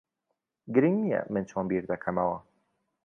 گرنگ نییە من چۆن بیر دەکەمەوە.